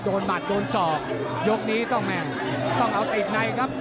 หมัดโดนศอกยกนี้ต้องแม่งต้องเอาติดในครับ